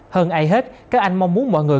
hơn ai hết các anh mong muốn mọi người